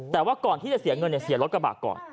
แต่ว่าก่อนที่จะเสียเงินเสียรถกระบะก่อน